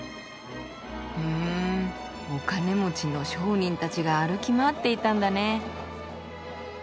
ふんお金持ちの商人たちが歩き回っていたんだね。